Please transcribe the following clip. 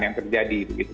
yang terjadi begitu